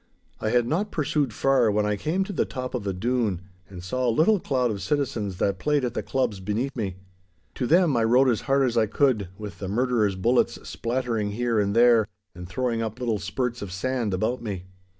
I had not pursued far when I came to the top of a dune and saw a little cloud of citizens that played at the clubs beneath me. To them I rode as hard as I could, with the murderers' bullets splattering here and there and throwing up little spirts of sand about me.